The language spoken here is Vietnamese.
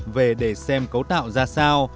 về để xem cấu tạo ra sao